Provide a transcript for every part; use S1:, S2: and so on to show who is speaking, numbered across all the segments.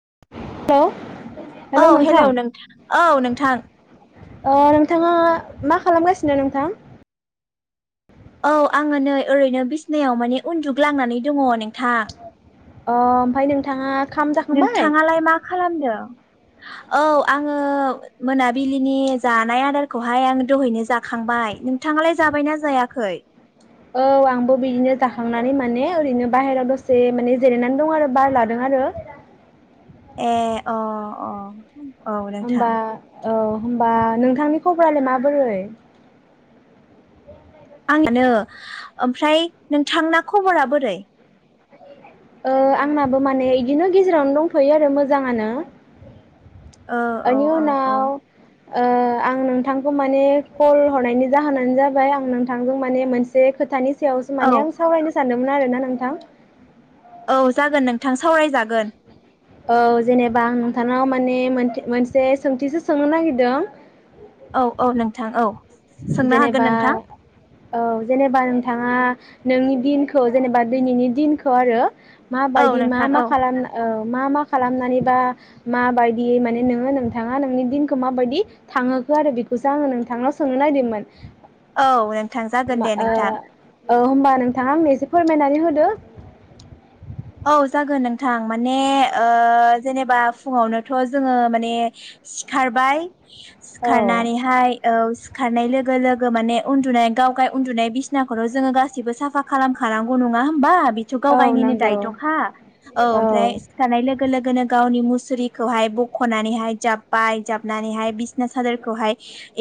S1: [unintelligible]
S2: औ
S1: नोंथां
S2: हेलौ नों औ नोंथां।
S1: ओ नोंथाङा मा खालामगासिनो नोंथां?
S2: औ आङो नै ओरैनो बिसनायाव माने उन्दुग्लांनानै दङ नोंथां।
S1: अ ओमफाय नोंथाङा खाम जाखांबाय?
S2: नोंथाङालाय मा खालामदों औ आङो मोनाबिलिनि जानाय आदारखौहाय आङ दहैनो जाखांबाय नोंथाङालाय जाबायना जायाखै?
S1: औ आंबो बिदिनो जाखांनानै माने ओरैनो बाहेरायाव दसे माने जिरायनानै दं आरो बार लादों आरो।
S2: ए अ अ। औ नोंथां
S1: ओमबा औ होमबा नोंथांनि खबरालाय माबोरै?
S2: आंनानो ओमफ्राय नोंथांना खबरा बोरै?
S1: ओ आंनाबो माने इदिनो गेजेरावनो दंथ'यो आरो मोजाङानो।
S2: औ औ
S1: ओनि
S2: औ औ
S1: उनाव ओ आं नोंथांखौ माने कल हरनायनि जाहोनानो जाबाय आं नोंथांजों माने मोनसे खोथानि सायावसो
S2: औ
S1: माने आं सावरायनो सानो। मोन आरोना नोंथां।
S2: औ जागोन नोंथां सावरायजागोन।
S1: औ जेनेबा आं नोंथांनाव माने मोनथे मोनसे सोंथिसो सोंनो नागिरदों।
S2: औ औ नोंथां औ। सोंनो हागोन
S1: जेनेबा
S2: नोंथां
S1: औ जेनेब होनबा नोंथाङा नोंनि दिनखौ जेनेबा दैनैनि दिनखौ आरो
S2: औ
S1: माबायदि मा
S2: नोंथां
S1: मा
S2: औ
S1: खालामना औ मा मा खालामनानै बा माबायदि माने नोङो नोंथाङा नोंनि दिनखौ माबायदि थांहोखो आरो बेखौसो आङो नोंथांनाव सोंनो नायदोंमो मोन?
S2: औ नोंथां जागोन दे नोंथां।
S1: औ होमबा नोंथाङा एसे फोरमायनानै होदो।
S2: औ जागोन नोंथां माने ओ जेनेबा फुङावनोथ' जोङो माने सिखारबाय
S1: औ
S2: सिखारनानैहाय औ खारनाय लोगो लोगो माने उन्दुनाय गाव गाय उन्दुनाय बिसनाखौथ' जोङो गासिबो साफा खालामखानांगौ नङा होमबा? बिथ'
S1: औ
S2: गावगायनिनो
S1: नंगौ
S2: दायत' हा औ ओमफ्राय सिखारनाय लोग लोगो लोगोनो गावनि मुसुरिखौहाय बख'नानैहाय जाब्बाय जाबनानैहाय बिसना सादोरखौहाय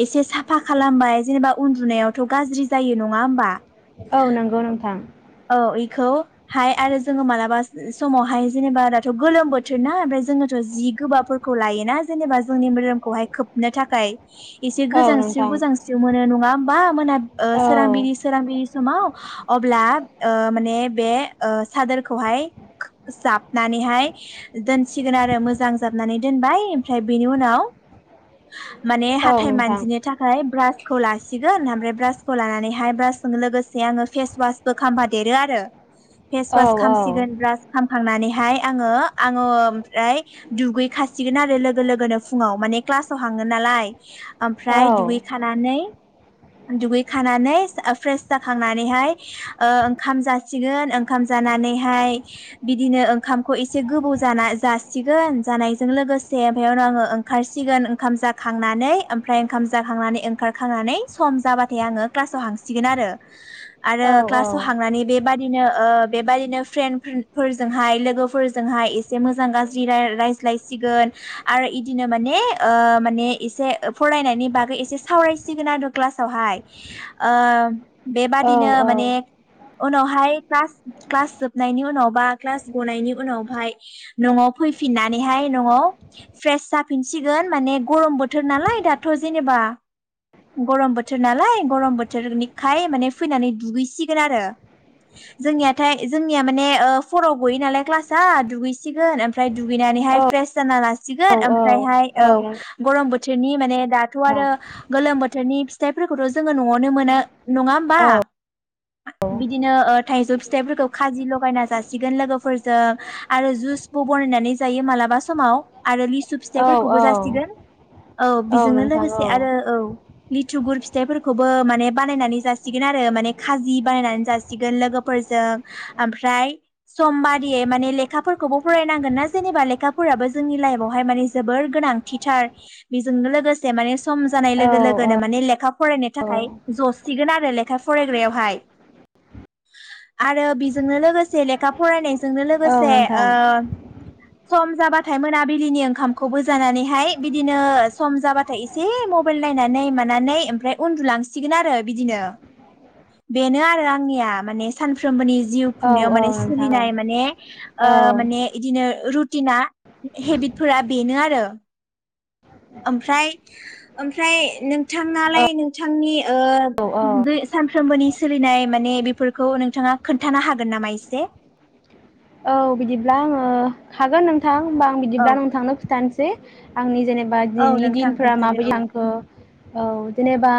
S2: एसे साफा खालामबाय जेनोबा उन्दुनायावथ' गाज्रि जायो नङा होमबा?
S1: औ नंगौ नोंथां।
S2: खौ हाय आरो जोङो माला बास समावहाय जेनोबा दाथ' गोलोम बोथोर ना ओमफ्राय जोङोथ' जि गोबाबफोरखौ लायोना जेनोबा जोंनि मोदोमखौहाय खोबनो थाखाय एसे
S1: औ
S2: गोजांस्रियाव
S1: नोंथां
S2: गोजांस्रियाव मोनो नङा बा मोना ओ
S1: औ
S2: सोरांबिरि सोरांबिरि समाव अब्ला ओ माने बे ओ सादोर खौहाय जाबनानैहाय दोन सिगोन आरो मोजां जाबनानै दोनबाय ओमफ्राय बेनि उनाव माने
S1: औ
S2: हाथाय
S1: नोंथां
S2: मानजिनो थाखाय ब्रास खौ लासिगोन आमफ्राय ब्रासखौ लानानैहाय ब्रासजों लोगोसे आङो फेसवास बो खामफा देरो आरो
S1: औ
S2: फेसवास खामसिगोन ब्रास खामखांनानै फाय आङो आङो ओमफ्राय दुगैखासिगोन आरो लोगो लोगोनो फुङाव माने क्लासयाव हांगोन नालाय।
S1: औ
S2: आमफ्राय दुगै खानानै दुगैखानानै ओ फ्रेस जाखांनानैहाय ओ ओंखाम जासिगोन ओंखाम जानानै नेहाय बिदिनो ओंखामखौ एसे गोबौ जाना जासिगोन जानायजों लोगोसे बेवनो आङो ओंखारसिगोन ओंखाम जाखांनानै ओमफ्राय ओंखाम जाखांनानै ओंखारखांनानै सम जाबाथाय आङो क्लासाव हांसिगोन आरो ।
S1: औ
S2: आरो क्लासाव हांनानै बेबादिनो ओ बे बारैनो फ्रेन्ड फ्रोन्ड फोरजोंहाय लोगोफोरजोंहाय एसे मोजां गाज्रि राय रायज्लायसिगोन आरो इदिनो माने ओ माने एसे फरायनायनि बागै एसे सावरायसिगोन आरो क्लासावहाय ओ
S1: औ
S2: बेबादिनो माने उनावहाय क्लास क्लास जोब नायनि उनाव बा क्लास गनायनि उनावहाय न'आव फैफिननानैहाय न'आव फ्रेस जाफिनसिगोन माने गरम बोथोर नालाय दाथ' जेनोबा गरम बोथोर नालाय गरम बोथोरनिखाय माने फैनानै दुगैसिगोन आरो जोंनियाथाय जोंनिया माने ओ फराव गयो नालाय क्लासआ दुगैसिगोन ओमफ्राय दुगैनानैहाय फ्रेस जाना ला सिगोन ओमफ्रायहाय औ ग'रम बो थोरनि माने दाथ' आरो गोलोम बोथोरनि फि थाइफोरखौथ' जोङो न'आवनो मोनो नङा होमबा? बिदिनो ओ थाइजौ फिथाइफोरखौ जि ल'गायना जासिगोन लोगोफोरजों आरो जुसबो ब'नायनानै जायो मालाबा समाव आरो लिसु फिथायफोरखौबो जासिगोन। औ बिजोंनो
S1: नोंथां
S2: लोगोसे आरो औ लि थुगुर फिथाइफोरखौबो माने बानायनानै जासिगोन आरो माने खाजि बानायनानै जासिगोन लोगोफोरजों ओमफ्राय सम बादियै माने लेखाफोरखौबो फरायनांगोन ना जेनोबा लेखाफोराबो जोंनि लाइफवहाय माने जोबोर गोनांथिथार बेजोंनो लोगोसे माने सम जानाय
S1: औ
S2: लोगो लोगोनो
S1: औ
S2: माने लेखा फरायनो
S1: औ
S2: थाखाय जसिगोन आर फ्राइ लेखा फरायग्रायावहाय आरो बेजोंनो लोगोसे लेखा फरायनाय जोंनो लोगोसे
S1: नोंथां
S2: ओ सम जाबाथाय मोनाबिलिनि ओंखामखौबो जानानैहाय बिदिनो सम जाबाथाय एसे मबाइल नायनानै मानानै ओमफ्राय उनदुलांसिगोन आरो बिदिनो बेनो आरो आंनिया माने सानफ्रोमबोनि जिउ
S1: औ
S2: खुंनायाव
S1: औ
S2: माने
S1: नोंथां औ
S2: सोलिनाय माने
S1: औ नोंथां औ
S2: ओ माने इदिनो रु टिना हेबिटफोरा बेनो आरो। ओमफ्राय आमफ्राय नों नोंथाङालाय नोंथांनि ओ
S1: औ
S2: दै सानफ्रोमबोनि सोलिनाय माने बेफोर खौ नोंथाङा खोनथानो हागोन नामा एसे?
S1: औ बिदिब्ला आङो हागोन नों थां होनबा आं बिदिब्ला
S2: औ
S1: नोंथांनो खिथानोसै आंनि जेनेबा
S2: औ
S1: दिनैनि
S2: नोंथां
S1: दिनफोरा
S2: खोन्थादो
S1: माबै
S2: औ
S1: लांखौ औ जेनेबा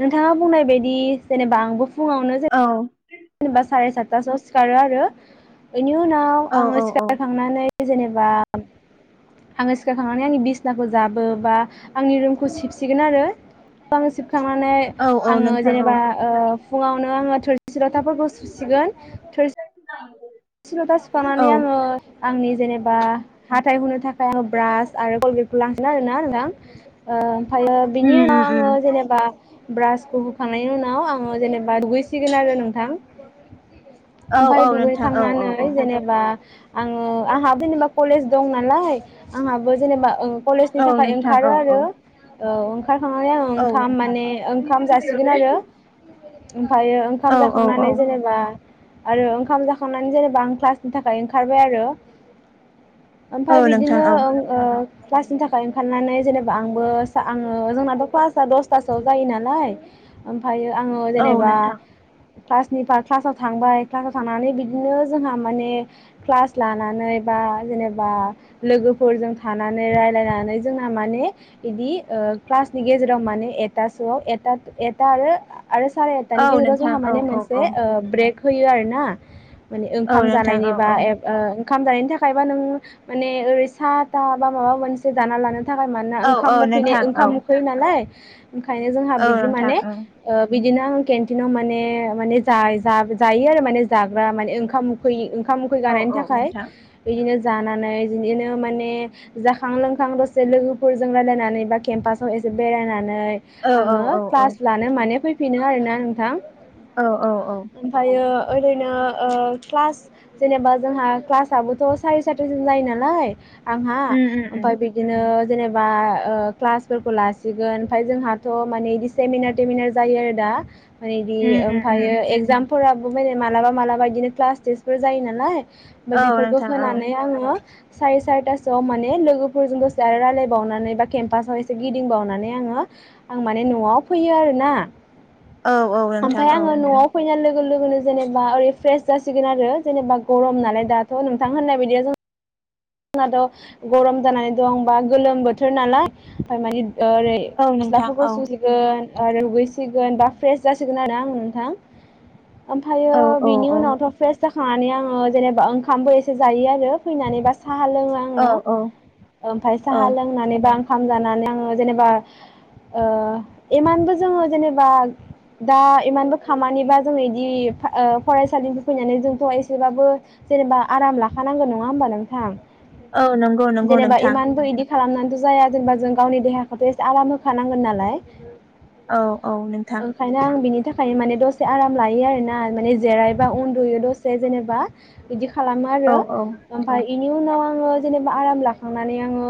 S1: नोंथाङा बुंनाय बाय बि जेनेबा आंबो फुङावनो
S2: औ।
S1: जेनेबा साराय सातथासोआव सिखारो आरो। बेनि उनाव
S2: औ
S1: आङो
S2: औ औ
S1: सिखारखांनानै जेनेबा आङो सिखारखांनानै आंनि बिसनाखौ जाबो बा आंनि रुमखौ सिबसिगोन आरो [unintelligible] खांनानै
S2: औ औ
S1: आङो
S2: नोंथां औ
S1: जेनेबा ओ फुङावनो आङो थोर था फोरखौ सुसिगोन थोर सि लथा
S2: औ
S1: सुखांनानै
S2: उम
S1: आङो आंनि जेनेबा हाथाय हुनो थाखाय आङो ब्रास आरो कलगेटखौ लांगोन आरोना ओ फ्रायो बिनि उनाव
S2: उम
S1: आङो
S2: उम
S1: जेनेबा ब्रासखौ हुखांनायनि उनाव आङो जेनेबा दुगैसिगोन आरो नोंथां।
S2: औ औ नोंथां। औ औ
S1: खांनानै
S2: औ
S1: जेनेबा आ आङो आंहा जेनेबा कलेज दं नालाय आंहाबो जेनेबा ओं कलेजनि
S2: औ
S1: थाखाय
S2: नोंथां औ
S1: ओंखारो आरो औ। ओंखारखांनानै आङो
S2: औ
S1: ओंखाम
S2: नोंथां
S1: माने ओंखाम
S2: औ
S1: जासिगोन आरो ओमफायो ओंखाम
S2: औ औ
S1: जाखांनानै जेनेबा आरो ओंखाम जा खांनानै जेनेबा आं क्लासनि थाखाय ओंखारबाय आरो।
S2: औ
S1: ओमफाय
S2: नोंथां
S1: बिदिनो
S2: औ
S1: ओं ओ क्लासनि थाखाय ओंखारनानै जेनेबा आंबो आङो जोंनाथ' क्लासा दसथासोआव जायो नालाय ओमफायो आङो
S2: औ
S1: जेनेबा
S2: नोंथां
S1: क्लासनिफा क्लासाव थांबाय क्लासाव थांनानै बि दिनो जोंहा माने क्लास लानानै बा जेनेबा लोगोफोरजों थानानै रायलायनानै जोंना माने बिदि ओ क्लासनि गेजेराव माने एथासोआव ए-एथा आरो आरो साराय एथानि
S2: औ
S1: गेजेराव
S2: नोंथां
S1: जोंहा
S2: औ
S1: माने
S2: औ
S1: मोनसे
S2: औ
S1: ब्रेक होयो आरो ना। माने
S2: औ
S1: ओंखाम
S2: नोंथां
S1: जानायनि
S2: औ
S1: बा एब ओ ओंखाम जानायनि थाखायबा नों माने ओरै सा था बा माबा मोनसे जाना लानो थाखाय मानोना
S2: औ औ
S1: ओंखाम उखैनाय
S2: नोंथां औ
S1: ओंखाम उखैयो नालाय ओंखायनो जोंहा
S2: औ
S1: बिदि
S2: नोंथां
S1: माने
S2: ओं
S1: ओ बिदि बिदिनो आं केन्टिनाव माने माने जा-जा-जायो आरो माने जाग्रा माने ओंखाम उखै ओं खाम उखै गानायनि
S2: औ औ
S1: थाखाय।
S2: नोंथां
S1: बिदिनो जानानै बिदिनो माने जाखां लोंखां दसे लोगोफोरजों रायलायनानै बा केम्पासाव एसे बेरायनानै नै
S2: औ
S1: आङो
S2: औ औ औ
S1: क्लास लानो माने फै फिनो आरोना नोंथां।
S2: औ औ औ।
S1: ओमफ्रायो ओरैनो ओ क्लास जेनेबा जोंहा क्लासाबोथ' सारि सारिथासिम जायो नालाय आंहा
S2: उम उम
S1: ओमफाय बिदिनो जेनेबा ओ क्लासफोरखौ लासिगोन ओमफाय जोंहाथ' माने बिदि सेमिनार टेमिनार जायो आरो दा मानेदि
S2: उम उम
S1: ओमफायो एक्जाम फोराबो माने मालाबा मालाबा बिदिनो क्लास टेस्टफोर जायो नालाय ओमफाय
S2: औ
S1: बेफोरखौ
S2: नोंथां औ
S1: होनानै आङो सारि सारिथासोआव माने लोगोफोरजों दसे आरो रायलायबावनानै बा केम्पासाव एसे गिदिंबावनानै आङो आं माने न'आव फैयो आरोना।
S2: औ औ नोंथां
S1: ओमफाय
S2: औ
S1: आङो न'आव फैना लोगो गो लोगोनो जेनेबा ओरै फ्रेस जासिगोन आरो जेनेबा गरम नालाय दाथ' नोंथां होननाय बायदिया जों नाथ' गरम जानानै दं बा गोलोम बोथोर नालाय ओमफाय माने ओरै
S2: औ नोंथां
S1: सिलाफोरखौ
S2: औ
S1: सुजिगोन रुगैसिगोन बा फ्रेस जासिगोन आरोना आङो नोंथां। ओमफायो
S2: औ औ
S1: बिनि उनावथ' फ्रेस जाखांनानै आङो जेनेबा ओंखामबो एसे जायो आरो। फैनानै बा साहा लोङो
S2: औ
S1: आङो ओमफाय
S2: औ
S1: साहा लोंनानैबा खाम जानानै आङो जेनेबा ओ इमानबो जोङो जेनेबा दा इमानबो खामानिबा जों इदि फरायसालिनिफ्राय फैनानै जोंथ' एसेबाबो जेनेबा आराम लाखानांगोन नङा होमबा नों थां
S2: औ नंगौ नंगौ नोंथां
S1: इदि खालामनानैथ' जाया जेनेबा जों गावनि देहाखौथ' एसे आराम होखानांगोन नालाय।
S2: औ औ नोंथां।
S1: थाखाय माने दसे आराम लायो आरोना माने जिरायबा उन्दुयो दसे जेनेबा बिदि खालामो
S2: औ
S1: आरो।
S2: उम
S1: उनाव आंओ जेनेबा आराम लाखांनानै आङो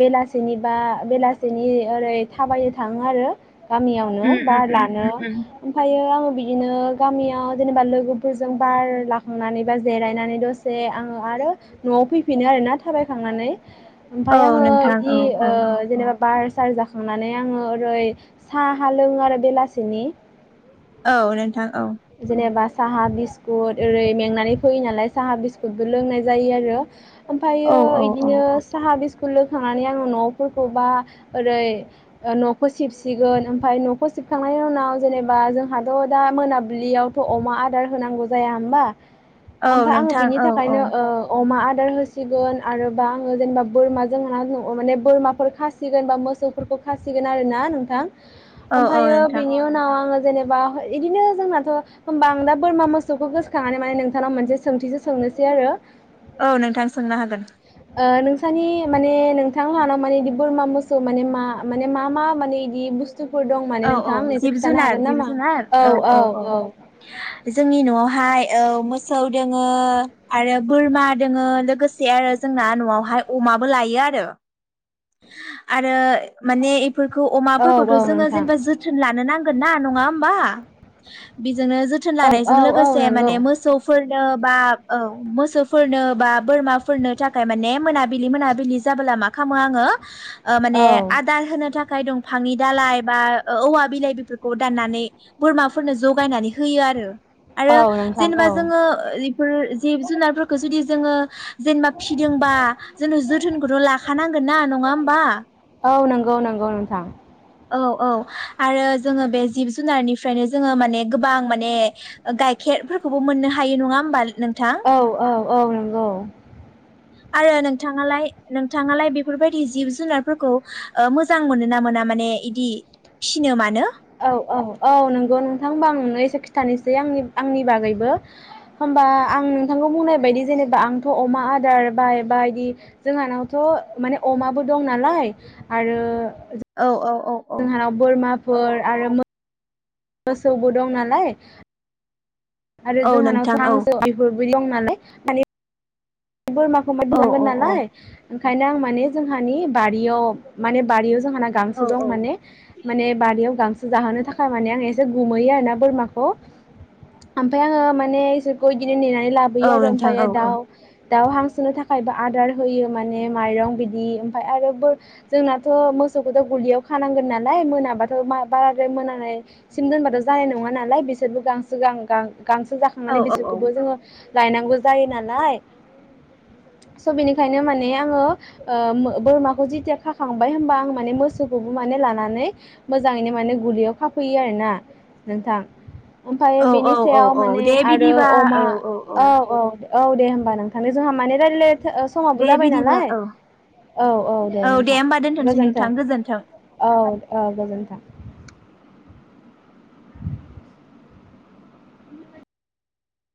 S1: बेलासेनि बा बेलासेनि ओरै थाबायनो थाङो आरो। गामियावनो
S2: उम
S1: बार
S2: उम
S1: लानो
S2: उम
S1: ओमफ्रायो आङो बिदिनो गामियाव जेनेबा लोगोफोरजों बार लाखांनानै बा जिरायनानै दसे आङो आरो न'आव फैफिनो आरो ना थाबायखांनानै।
S2: औ
S1: ओमफाय आङो
S2: नोंथां
S1: इदि
S2: औ
S1: ओ
S2: औ
S1: जेनेबा बार सार जा खांनानै आङो ओरै साहा लोङो आरो बेलासिनि
S2: औ नोंथां औ।
S1: जेनेबा साहा बिस्कुट ओरै मेंनानै फैयो नालाय साहा बिस्कुटबो लोंनाय जायो आरो। ओमफायो
S2: औ औ औ
S1: इदिनो साहा बिस खुलुखांनानै आङो न'फोरखौबा ओरै न'खौ सिबसिगोन ओमफाय न'खौ सिबखांनायनि उनाव जेनेबा जोंहाथ' दा मोनाबिलियावथ' अमा आदार होनांगौ जाया होमबा
S2: औ
S1: ओमफ्राय आङो
S2: नोंथां
S1: बिनि
S2: औ औ।
S1: थाखायनो ओ अमा आदार होसिगोन आरोबा आङो जेनेबा बोरमा जों होना माने बोरमाफोर खासिगोन बा मोसौफोरखौ खासिगोन आरोना नोंथां।
S2: औ औ
S1: ओमफ्रायो
S2: नोंथां
S1: बेनि उनाव आङो जेनेबा इदिनो जोंनाथ' होमबा आं दा बोरमा मोसौखौ गोसोखांनानै माने नोंथांनाव मोनसे सोंथिसो सोंनोसै आरो
S2: औ नोंथां सोंनो हागोन।
S1: ओ नोंसानि माने नोंथां लाहानाव माने बिदि बोरमा मोसौ माने मा माने मा मा माने बिदि बुस
S2: औ औ जिब जुनार जिब
S1: नामा?
S2: जुनार औ औ औ जोंनि न'आवहाय औ मोसौ दोङो आरो बोरमा दोङो लोगोसे आरो जोंना न'आवहाय अमाबो लायो आरो आरो माने फोरखौ
S1: औ
S2: अमाफोरखौथ'
S1: औ
S2: जोङो
S1: नोंथां
S2: जेनेबा जोथोन लानो नां गोनना नङा होमबा जोंनो जोथोन
S1: औ
S2: लानायजों
S1: औ औ
S2: लोगोसे
S1: नंगौ
S2: माने मोसौफोर बो बा औ मोसौफोरनो बा बोरमाफोरनो थाखाय माने मोनाबिलि मोनाबिलि जाबोला मा खालामो आङो ओ माने
S1: औ।
S2: आदार होनो थाखाय दं फामि दालाय। बा औवा बिलाइ बेफोरखौ दान्नानै बोरमाफोरनो जगायनानै होयो आरो। आरो
S1: औ नोंथां
S2: जेनेबा
S1: औ
S2: जोङो बेफोर जिब जुनारफोरखौ जुदि जोङो जेनेबा फिदोंबा जों जोथोनखौथ' लाखानांगोन ना नङा होमबा?
S1: औ नंगौ नंगौ नोंथां
S2: औ औ आरो जोङो बे जिब जुनारनिफ्रायनो जोङो माने गोबां माने गाइखेरफोरखौबो मोननो हायो नङा होमबा? नोंथां
S1: औ औ औ नंगौ।
S2: आरो नोंथाङालाय नोंथाङालाय बेफोरबायदि जिब जुनारफोरखौ ओ मोजां मोनो ना मोना माने इदि फिनो मानो
S1: औ खिथानोसै आंनि आंनि बागैबो होनबा आं नोंथांखौ बुंनाय बायदि जेनेबा आंथ' अमा आदार बाय बायदि जोंहानावथ' माने अमाबो दं नालाय आरो
S2: औ औ। औ औ
S1: जोंहानाव बोरमा फोर आरो मोसौबो दं नालाय। आरो
S2: औ
S1: जोंहानावथ'
S2: नोंथां औ
S1: हांसोफोर दं नालाय माने बोरमाखौ माय
S2: औ
S1: बिलांगोन
S2: औ औ
S1: नालाय ओ ओंखायनो आं माने जोंहानि बारियाव माने बारियाव जोंहानाव गांसो
S2: औ
S1: दं
S2: औ
S1: माने माने बारियाव गांसो जाहोनो थाखाय माने आं एसे [unintelligible] आरोना बोरमाखौ ओमफाय आङो माने इसोरखौ बिनो नेनानै लाबोयो
S2: औ
S1: आरो
S2: नोंथां
S1: ओमफ्रायो
S2: औ
S1: दाउ दाउ हांसोननो थाखायबो आदार होयो माने माइरं बिदि ओमफ्राय आरो ब जोंनाथ' मोसौखौथ' गलियाव खानांगोन नालाय मोनाबाथ' बाराद्राय मोनानायसिम दोनबाथ' जानाय नङा नालाय बिसोरबो गांसो गां गां गांसो
S2: औ
S1: जाखांनानै
S2: औ
S1: बिसोरखौबो जोङो लायनांगौ जायो नालाय। स' बेनिखायनो माने आङो ओ बोरमाखौ जेथिया खाखांबाय होनबा आं माने मोसौ खौबो माने लानानै मोजाङैनो माने गलियाव खाफैयो आरो ना नोंथां। ओमफ्राय बेनि
S2: औ औ
S1: सायाव
S2: औ
S1: माने
S2: दे
S1: आरो
S2: बिदिबा
S1: अमा
S2: औ
S1: औ औ। औ दे होमबा। होमब नोंथां जोंहा मान रायल समाबो
S2: दे
S1: जाबाय
S2: बिदिबा
S1: नालाय
S2: औ
S1: औ औ दे नोंथां
S2: होमबा दोनथ'नोसै
S1: गोजोन्थों
S2: नोंथां गोजोन्थों
S1: औ औ गोजोन्थों।